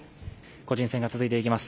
個人戦が続いていきます。